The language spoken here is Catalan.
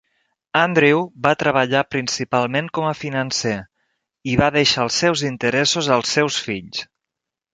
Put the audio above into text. Andrew va treballar principalment com a financer, i va deixar els seus interessos als seus fills.